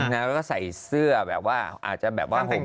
แล้วก็ใส่เสื้อแบบว่าอาจจะแบบว่าห่ม